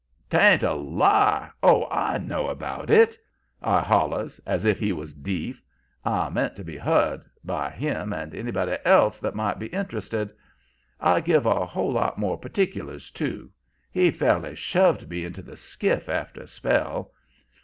"''Tain't a lie. Oh, I know about it!' I hollers, as if he was deef. I meant to be heard by him and anybody else that might be interested. I give a whole lot more partic'lars, too. He fairly shoved me into the skiff, after a spell.